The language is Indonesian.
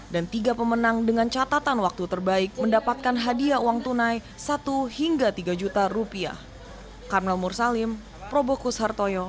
dan tiga pemenang dengan catatan waktu terbaik mendapatkan hadiah uang tunai satu hingga tiga juta rupiah